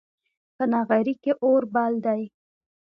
په نغري کې اور بل دی